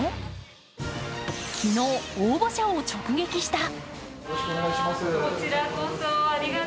昨日、応募者を直撃した。